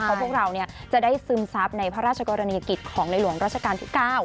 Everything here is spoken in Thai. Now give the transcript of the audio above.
เพราะพวกเราจะได้ซึมซับในพระราชกรณียกิจของในหลวงราชการที่๙